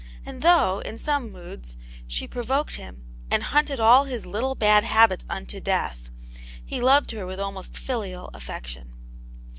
And though, in some moods, she provoked him, and hunted all his little bad habits unto death, he loved her with almost filial affection.